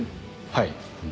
はい。